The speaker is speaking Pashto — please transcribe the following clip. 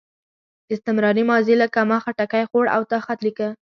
استمراري ماضي لکه ما خټکی خوړ او تا خط لیکه.